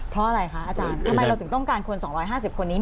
เพราะอะไรคะอาจารย์ทำไมเราถึงต้องการคน๒๕๐คนนี้